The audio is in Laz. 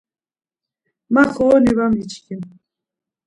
Ma xoroni var miçkin.